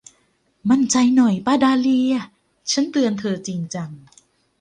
มั่นใจหน่อยป้าดาห์เลีย ฉันเตือนเธอจริงจัง